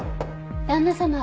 旦那様